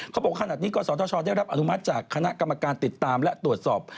เขาบอกขนาดนี้กศธชได้รับอนุมัติจากคณะกรรมการติดตามและตรวจสอบ